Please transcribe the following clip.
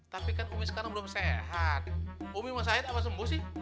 tapi kan umi sekarang belum sehat umi mau sehat apa sembuh sih